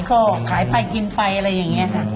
ก็ขายไปกินไปอะไรอย่างนี้ค่ะ